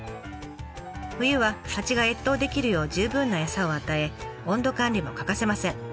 冬は蜂が越冬できるよう十分な餌を与え温度管理も欠かせません。